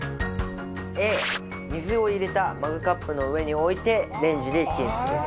Ａ水を入れたマグカップの上に置いてレンジでチンする。